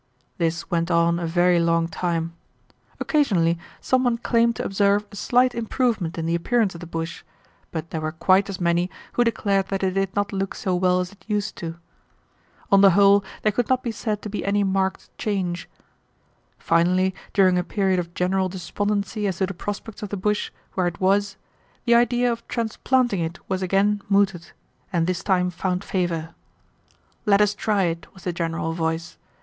This went on a very long time. Occasionally some one claimed to observe a slight improvement in the appearance of the bush, but there were quite as many who declared that it did not look so well as it used to. On the whole there could not be said to be any marked change. Finally, during a period of general despondency as to the prospects of the bush where it was, the idea of transplanting it was again mooted, and this time found favor. 'Let us try it,' was the general voice.